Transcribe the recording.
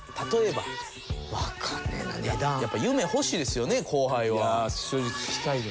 やっぱ夢欲しいですよね後輩は。